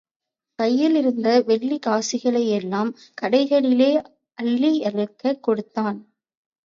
கையிலிருந்த வெள்ளிக் காசுகளையெல்லாம் கடைகளிலே அள்ளியள்ளிக் கொடுத்தான்.